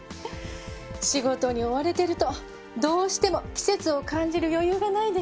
仕事に追われてるとどうしても季節を感じる余裕がないでしょ。